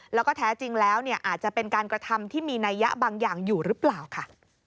แล้วก็แท้จริงแล้วเนี่ยอาจจะเป็นการกระทำที่มีนัยยะบางอย่างอยู่หรือเปล่าค่ะ